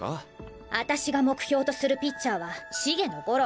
私が目標とするピッチャーは茂野吾郎！